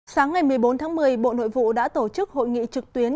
sáng ngày một mươi bốn tháng một mươi bộ nội vụ đã tổ chức hội nghị trực tuyến